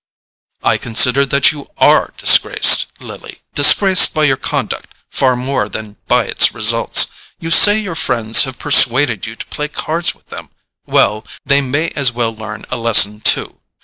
"I consider that you ARE disgraced, Lily: disgraced by your conduct far more than by its results. You say your friends have persuaded you to play cards with them; well, they may as well learn a lesson too.